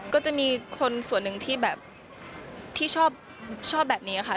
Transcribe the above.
ก็จะมีคนส่วนนึงที่ชอบแบบนี้ค่ะ